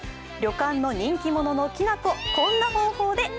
旅館の人気者のきなこ、こんな方法で